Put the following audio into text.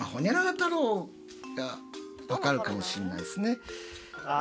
「太郎」が分かるかもしんないですね。